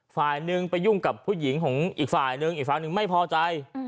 ฝ่ายหนึ่งไปยุ่งกับผู้หญิงของอีกฝ่ายหนึ่งอีกฝ่ายหนึ่งไม่พอใจ